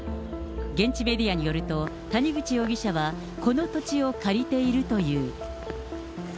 現地メディアによると、谷口容疑者は、この土地を借りているという。